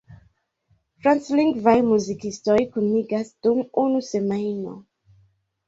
Franclingvaj muzikistoj kunigas dum unu semajno.